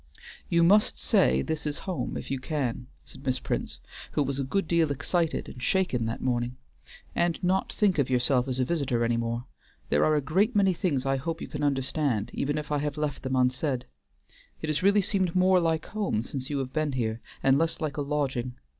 "You must say this is home, if you can," said Miss Prince, who was a good deal excited and shaken that morning, "and not think of yourself as a visitor any more. There are a great many things I hope you can understand, even if I have left them unsaid. It has really seemed more like home since you have been here, and less like a lodging.